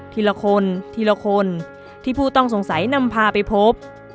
ทีละคนทีละคนที่ผู้ต้องสงสัยนำพาไปพบ